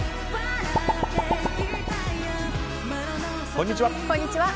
こんにちは。